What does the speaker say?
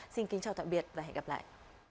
xin kính chào tạm biệt và hẹn gặp lại